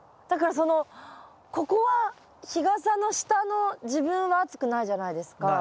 だからそのここは日傘の下の自分は暑くないじゃないですか。